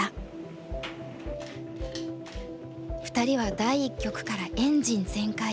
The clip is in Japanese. ２人は第一局からエンジン全開。